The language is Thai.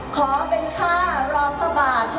ขอน้องอภิวรรณราชาเห็นราชัน